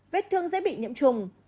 vết thương dễ bị nhiễm trùng